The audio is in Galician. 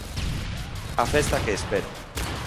A festa que espera.